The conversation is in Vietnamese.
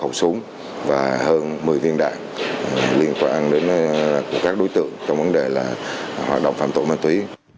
một số súng và hơn một mươi viên đạn liên quan đến các đối tượng trong vấn đề là hoạt động phạm tội ma túy